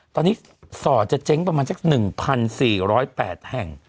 ตอนนี้ส่อจะเจ๊งประมาณสัก๑๔๐๘แห่ง